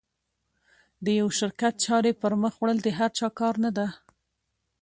د یوه شرکت چارې پر مخ وړل د هر چا کار نه ده.